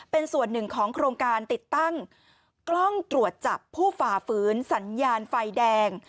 เป็นส่วนหนึ่งของโครงการติดตั้งกล้องตรวจจับผู้ฝ่าฝืนสัญญาณไฟแดง